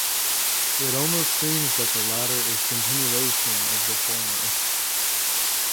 It almost seems that the latter is a continuation of the former.